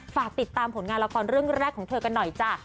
ฝากติดตามผลงานละครเรื่องแรกของเธอกันหน่อยจ้ะ